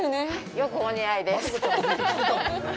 よくお似合いです。